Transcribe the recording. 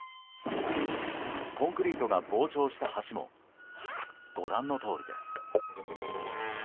コンクリートが膨張した橋もご覧のとおりです。